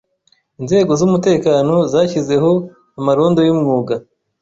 Inzego z’umutekano zashyizeho amarondo y’umwuga